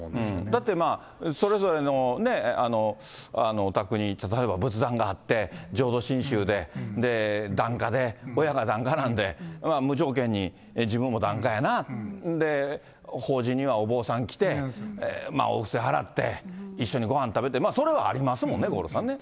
だってそれぞれのお宅に、例えば仏壇があって、浄土真宗で、檀家で、親が檀家なんで、無条件に自分も檀家やな、法事にはお坊さん来て、お布施払って、一緒にごはん食べて、それはありますもんね、五郎さんね。